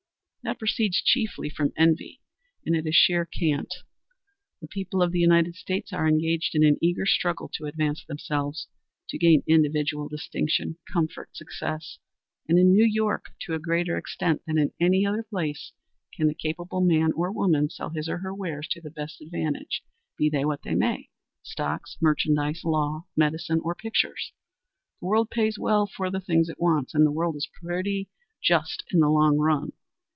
That proceeds chiefly from envy, and it is sheer cant. The people of the United States are engaged in an eager struggle to advance themselves to gain individual distinction, comfort, success, and in New York to a greater extent than in any other place can the capable man or woman sell his or her wares to the best advantage be they what they may, stocks, merchandise, law, medicine, pictures. The world pays well for the things it wants and the world is pretty just in the long run.